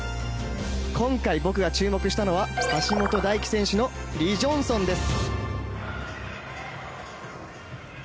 今回僕が注目したのは橋本大輝選手のリ・ジョンソンです。